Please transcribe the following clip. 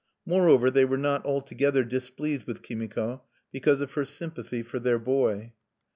Moreover they were not altogether displeased with Kimiko, because of her sympathy for their boy.